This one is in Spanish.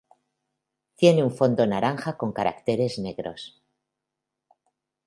Tienen un fondo naranja con caracteres negros.